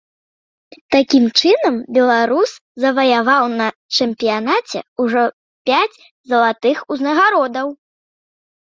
Такім чынам беларус заваяваў на чэмпіянаце ўжо пяць залатых узнагародаў.